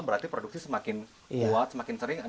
berarti produksi semakin kuat semakin sering